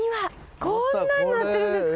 こんなんになってるんですか！